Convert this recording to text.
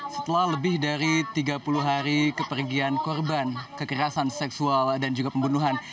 setelah lebih dari tiga puluh hari kepergian korban kekerasan seksual dan juga pembunuhan